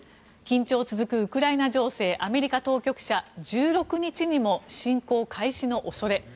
緊張続くウクライナ情勢アメリカ当局者１６日にも侵攻開始の恐れ。